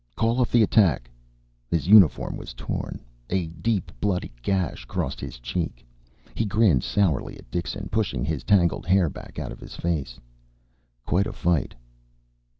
"Call off the attack." His uniform was torn. A deep bloody gash crossed his cheek. He grinned sourly at Dixon, pushing his tangled hair back out of his face. "Quite a fight."